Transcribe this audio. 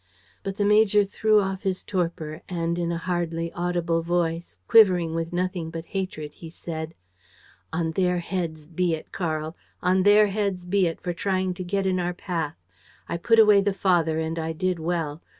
But the major threw off his torpor and, in a hardly audible voice, quivering with nothing but hatred, said: "On their heads be it, Karl! On their heads be it for trying to get in our path! I put away the father and I did well.